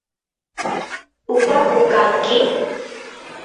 ¿upaku kanki?